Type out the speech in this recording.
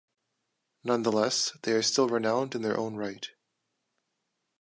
Nonetheless, they are still renowned in their own right.